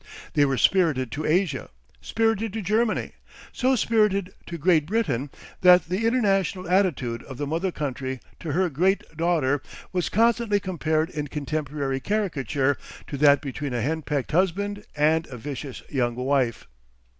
They were spirited to Asia, spirited to Germany, so spirited to Great Britain that the international attitude of the mother country to her great daughter was constantly compared in contemporary caricature to that between a hen pecked husband and a vicious young wife.